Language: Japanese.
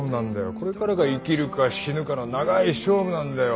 これからが生きるか死ぬかの長い勝負なんだよ。